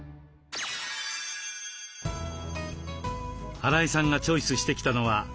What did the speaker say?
荒井さんがチョイスしてきたのは。